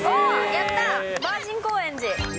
やった、バージン高円寺。